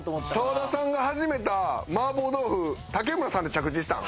澤田さんが始めた麻婆豆腐竹村さんで着地したん？